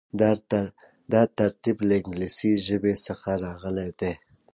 دا ترکيب له انګليسي ژبې څخه راغلی دی.